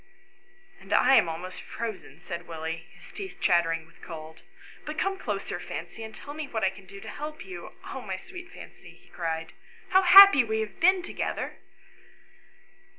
" And I am almost frozen," said Willie, his teeth chattering with cold. " But come closer, Fancy, and tell me what I can do to help you. Oh, my sweet Fancy," he cried, " how happy we have been to gether